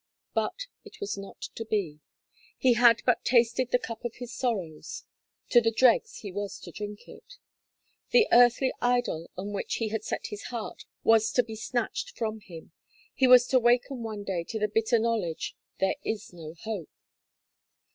But it was not to be; he had but tasted the cup of his sorrows; to the dregs was he to drink it; the earthly idol on which he had set his heart was to be snatched from him; he was to waken one day to the bitter knowledge: "there is no hope!"